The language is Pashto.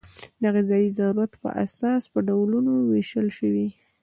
د غذایي ضرورت په اساس په ډولونو وېشل شوي.